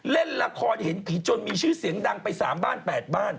เล่นละครเห็นผีจนมีชื่อเสียงดังไป๓บ้าน๘บ้าน